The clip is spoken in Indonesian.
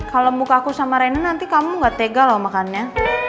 kalau muka aku sama rena nanti kamu gak tega loh makannya